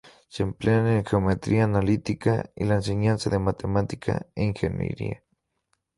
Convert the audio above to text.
Se emplean en geometría analítica y la enseñanza de matemáticas e ingeniería.